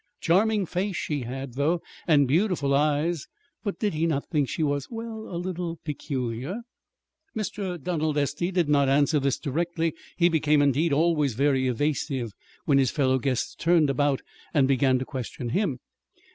Charming face she had, though, and beautiful eyes. But did he not think she was well, a little peculiar? Mr. Donald Estey did not answer this, directly. He became, indeed, always very evasive when his fellow guests turned about and began to question him.